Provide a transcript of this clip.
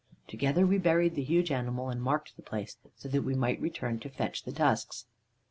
Together we buried the huge animal and marked the place, so that we might return to fetch the tusks.